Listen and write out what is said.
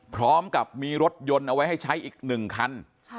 พร้อมกับมีรถยนต์เอาไว้ให้ใช้อีก๑คัน